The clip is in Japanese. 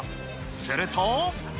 すると。